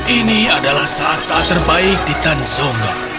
ini adalah saat saat terbaik di tanzomba